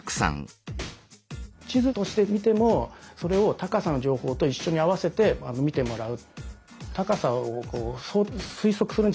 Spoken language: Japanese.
地図としてみてもそれを高さの情報と一緒に合わせて見てもらう。